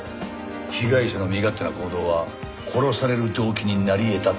被害者の身勝手な行動は殺される動機になり得たってか。